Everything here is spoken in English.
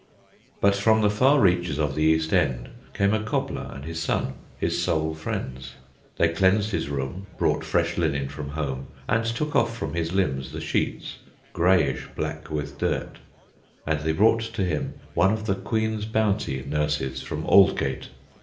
But from the far reaches of the East End came a cobbler and his son, his sole friends. They cleansed his room, brought fresh linen from home, and took from off his limbs the sheets, greyish black with dirt. And they brought to him one of the Queen's Bounty nurses from Aldgate.